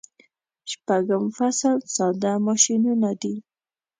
شپږم فصل ساده ماشینونه دي.